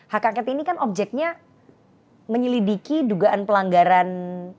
hkkt ini kan objeknya menyelidiki dugaan pelanggaran